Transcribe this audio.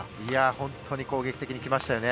本当に攻撃的に来ましたよね。